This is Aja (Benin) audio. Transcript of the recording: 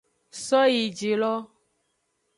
Soyijilo.